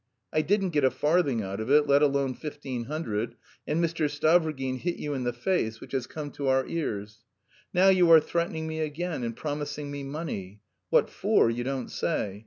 I didn't get a farthing out of it, let alone fifteen hundred, and Mr. Stavrogin hit you in the face, which has come to our ears. Now you are threatening me again and promising me money what for, you don't say.